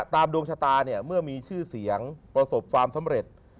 ดวงชะตาเนี่ยเมื่อมีชื่อเสียงประสบความสำเร็จ